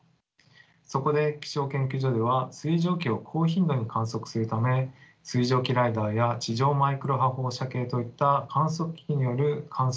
そこで気象研究所では水蒸気を高頻度に観測するため水蒸気ライダーや地上マイクロ波放射計といった観測機器による観測の研究が進められています。